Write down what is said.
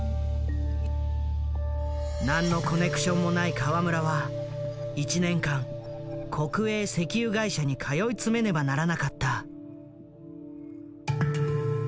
何のコネクションもない河村は１年間国営石油会社に通い詰めねばならなかった。